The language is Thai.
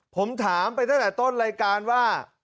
ผมถามไปตั้งแต่ต้นรายการว่า